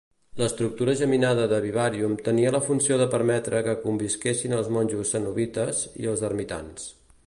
L'estructura geminada de Vivarium tenia la funció de permetre que convisquessin els monjos cenobites i els ermitans.